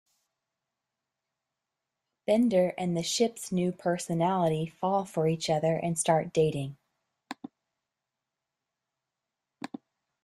Bender and the ship's new personality fall for each other and start dating.